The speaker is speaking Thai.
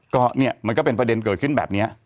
ก็เนี่ยมันก็เป็นประเด็นเกิดขึ้นแบบนี้